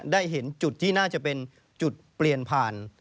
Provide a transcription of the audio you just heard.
ได้เห็นจุดที่น่าจะเป็นจุดเปลี่ยนผ่าน